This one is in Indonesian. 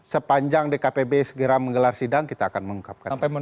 sepanjang dkpb segera menggelar sidang kita akan mengungkapkan